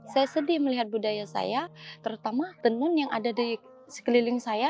saya sedih melihat budaya saya terutama tenun yang ada di sekeliling saya